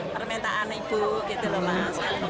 permintaan ibu gitu loh pak sekarang masih bisa